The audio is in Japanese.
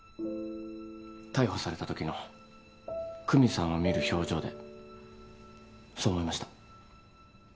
逮捕されたときの久実さんを見る表情でそう思いました。